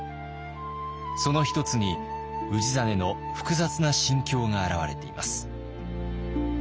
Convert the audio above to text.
その一つに氏真の複雑な心境が表れています。